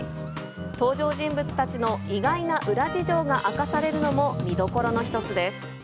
登場人物たちの意外な裏事情が明かされるのも見どころの一つです。